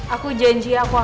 aku janji aku akan awal